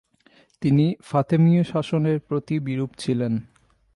তিনি ফাতেমীয় শাসনের প্রতি বিরূপ ছিলেন।